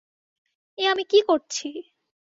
এ আমি কী করছি?